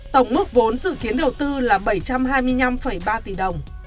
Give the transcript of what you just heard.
tổng mức vốn dự kiến đầu tư là bảy trăm hai mươi năm ba tỷ đồng